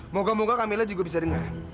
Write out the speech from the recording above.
moga moga camilla juga bisa denger